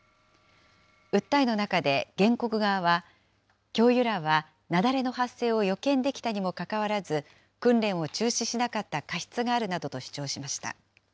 訴えの中で、原告側は、教諭らは雪崩の発生を予見できたにもかかわらず、訓練を中止しなかった過失があるなどと主張しました。